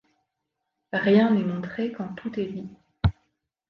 Rien n’est montré quand tout est dit.